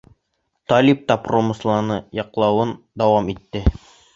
Талип та промысланы яҡлауын дауам итте: